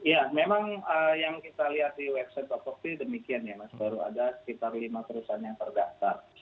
ya memang yang kita lihat di website oposi demikian ya mas baru ada sekitar lima perusahaan yang terdaftar